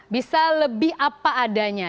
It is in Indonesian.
bisa lebih apa adanya